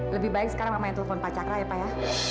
lebih baik sekarang main telepon pak cakra ya pak ya